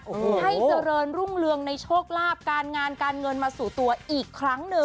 ให้เจริญรุ่งเรืองในโชคลาภการงานการเงินมาสู่ตัวอีกครั้งหนึ่ง